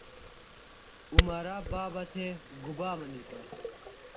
عمرہ بابہ تھےۡ گُبا منِیتوۡ؟